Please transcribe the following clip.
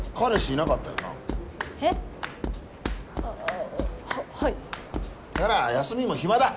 なら休みも暇だ！